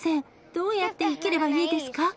どうやって生きればいいですか。